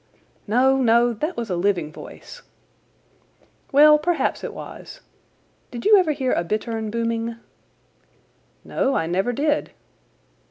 "No, no, that was a living voice." "Well, perhaps it was. Did you ever hear a bittern booming?" "No, I never did."